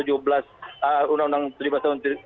undang undang tujuh belas tahun dua ribu tiga belas